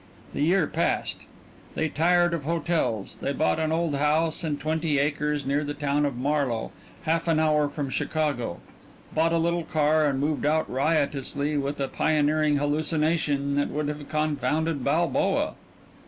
The year passed. They tired of hotels. They bought an old house and twenty acres near the town of Marlowe, half an hour from Chicago; bought a little car, and moved out riotously with a pioneering hallucination that would have confounded Balboa.